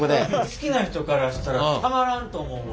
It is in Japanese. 好きな人からしたらたまらんと思うわ。